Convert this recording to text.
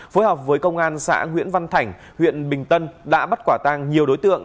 phối hợp với công an xã nguyễn văn thành huyện bình tân đã bắt quả tang nhiều đối tượng